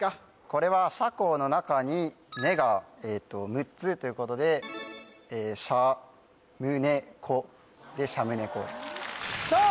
これは車庫の中に「ね」が６つということでシャムネコでシャム猫ですさあ